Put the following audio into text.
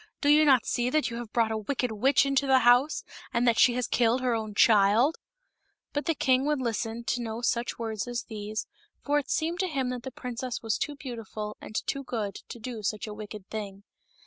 Do you not see that you have brought a wicked witch into the house, and that she has killed her own child ?" But the king would listen to no such words as these, for it seemed to him that the princess was too beautiful and too good to do such a wicked thing.